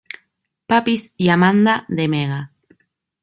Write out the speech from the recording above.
Papis" y "Amanda" de Mega.